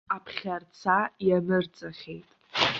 Аԥхьарца ианырҵахьеит.